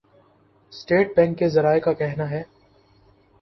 state Bank کے ذرائع کا کہناہے